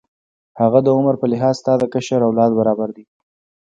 هغه د عمر په لحاظ ستا د کشر اولاد برابر دی.